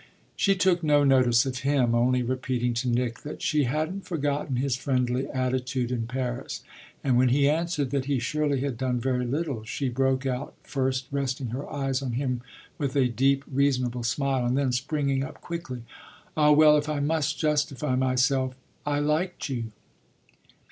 She took no notice of him, only repeating to Nick that she hadn't forgotten his friendly attitude in Paris; and when he answered that he surely had done very little she broke out, first resting her eyes on him with a deep, reasonable smile and then springing up quickly; "Ah well, if I must justify myself I liked you!"